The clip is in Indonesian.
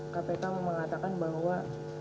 kpk mengatakan bahwa